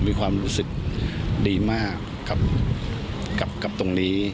มีความรู้สึกดีมากกับตรงนี้